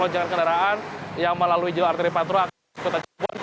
jalan tol palikanci yang melalui jalur arteri pantura akan ke kota cirebon